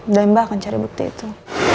dan mbak akan cari bukti itu